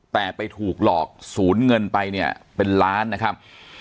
แต่ไปถูกหลอกศูนย์เงินไปเนี่ยเป็นล้านนะครับ